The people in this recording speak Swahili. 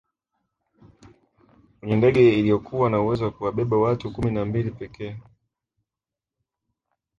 kwenye ndege iliyokuwa na uwezo wa kuwabeba watu kumi na mbili pekee